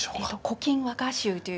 「古今和歌集」という。